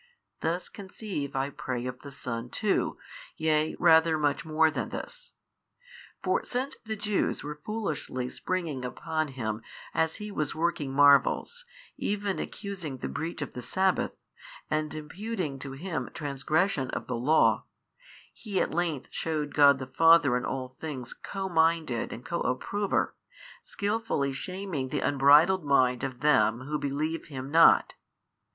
thus conceive I pray of the Son too, yea rather much more than this. For since the Jews were foolishly springing upon Him as He was working marvels, even accusing the breach of the sabbath, and imputing to Him transgression of the law, He at length shewed God the Father in all things Co minded and Co approver, skillfully shaming the unbridled mind of them who believe Him not.